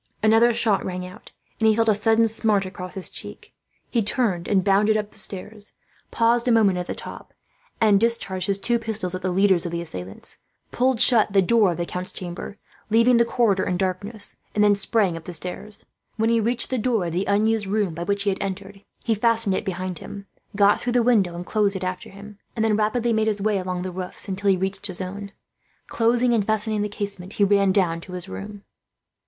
Another shot rang out, and he felt a sudden smart across his cheek. He turned and bounded up the stairs, paused a moment at the top, and discharged his two pistols at the leaders of the assailants; pulled to the door of the count's chamber, leaving the corridor in darkness, and then sprang up the stairs. When he reached the door of the unused room by which they had entered, he fastened it behind him, got through the window and closed it after him, and then rapidly made his way along the roofs, until he reached his own. Closing and fastening the casement, he ran down to his room.